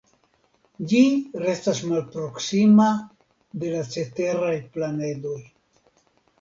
Ĝi restas malproksima de la ceteraj planedoj.